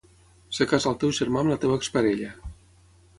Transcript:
Es casa el teu germà amb la teva exparella.